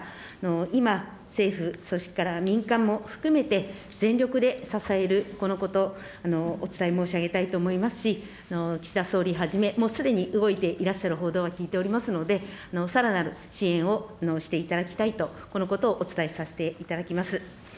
今、政府、そして民間からも含めて、全力で支える、このこと、お伝え申し上げたいと思いますし、岸田総理はじめ、もうすでに、動いていらっしゃる報道は聞いておりますので、さらなる支援をしていただきたいと、このことをお伝えさせていただきます。